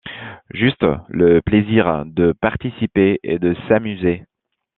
Juste le plaisir de participer et de s'amuser.